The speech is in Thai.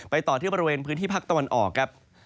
ต่อที่บริเวณพื้นที่ภาคตะวันออกครับ